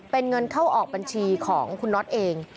เป็นเงินเข้าออกบัญชีของคุณน็อตเอง